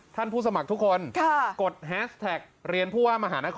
ท่านผู้สมัครทุกคนค่ะกดแฮชแท็กเรียนผู้ว่ามหา